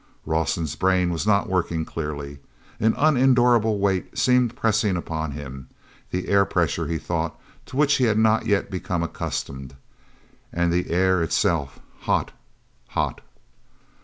Rawson's brain was not working clearly. An unendurable weight seemed pressing upon him—the air pressure, he thought, to which he had not yet become accustomed. And the air, itself, hot—hot!